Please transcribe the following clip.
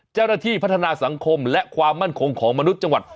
เจ้าหน้าที่พัฒนาสังคมและความมั่นคงของมนุษย์จังหวัด